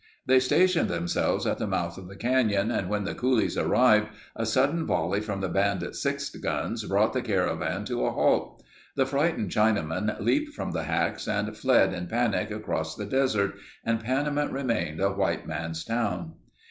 They stationed themselves at the mouth of the canyon and when the coolies arrived, a sudden volley from the bandits' six guns brought the caravan to a halt. The frightened Chinamen leaped from the hacks and fled in panic across the desert and Panamint remained a white man's town.